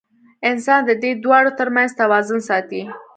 انسان د دې دواړو تر منځ توازن ساتي.